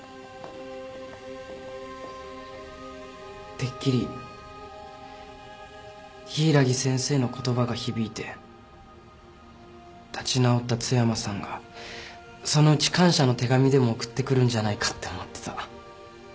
てっきり柊木先生の言葉が響いて立ち直った津山さんがそのうち感謝の手紙でも送ってくるんじゃないかって思ってた。